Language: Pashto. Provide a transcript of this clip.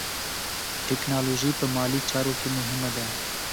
ټیکنالوژي په مالي چارو کې مهمه ده.